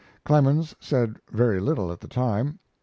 Clemens said very little at the time.